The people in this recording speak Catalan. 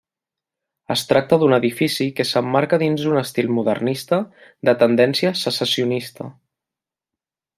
Es tracta d'un edifici que s'emmarca dins un estil modernista de tendència secessionista.